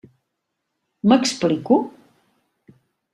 M'explico?